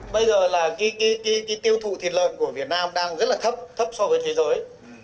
bây giờ là tiêu thụ thịt lợn của việt nam đang rất là thấp thấp so với thế giới